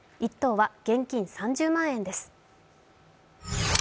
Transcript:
１等は現金３０万円です。